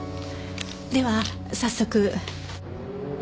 では早速。